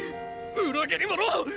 裏切り者！！